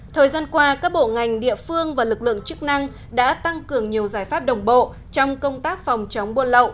thời gian qua các bộ ngành địa phương và lực lượng chức năng đã tăng cường nhiều giải pháp đồng bộ trong công tác phòng chống buôn lậu